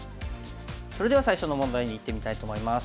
それでは最初の問題にいってみたいと思います。